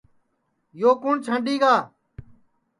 یو کُوٹؔ چھانٚڈؔ گا